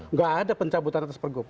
nggak ada pencabutan atas pergub